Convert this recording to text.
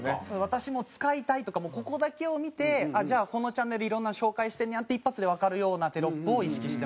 「私も使いたい」とかもうここだけを見てじゃあこのチャンネルいろんなの紹介してんねやって一発でわかるようなテロップを意識してます。